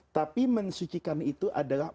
tapi mensucikan itu adalah